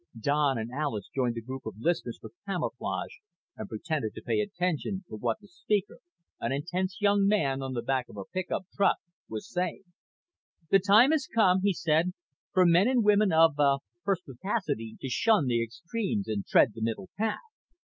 Don and Alis joined the group of listeners for camouflage and pretended to pay attention to what the speaker, an intense young man on the back of a pickup truck, was saying. "The time has come," he said, "for men and women of, uh, perspicacity to shun the extremes and tread the middle path.